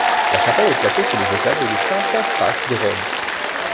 La chapelle est placée sous le vocable de saint Pancrace de Rome.